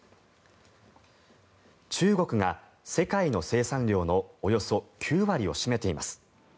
中国が世界の生産量のおよそ９割を占めています。